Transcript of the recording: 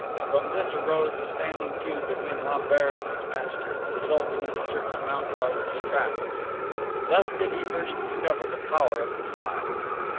From this arose a standing feud between Lambert and his master, resulting in a certain amount of "strap." Thus did he first discover the power of his eye.